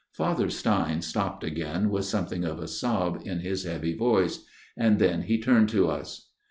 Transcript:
Father Stein stopped again, with something of a sob in his old heavy voice ; and then he turned to us.